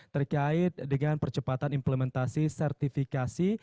terkait dengan percepatan implementasi sertifikasi